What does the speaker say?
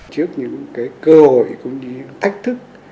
trước những cơ hội cũng như những tách thức